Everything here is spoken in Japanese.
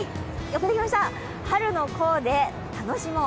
春のコーデ、楽しもう。